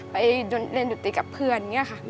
ไปเรียนดุติกับเพื่อน